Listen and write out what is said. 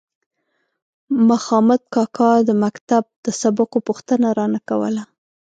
مخامد کاکا د مکتب د سبقو پوښتنه رانه کوله.